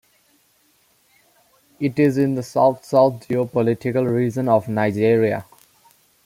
It is in the South-South geo-political region of Nigeria.